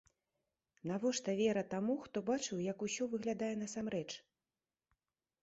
Навошта вера таму, хто бачыў, як усё выглядае насамрэч?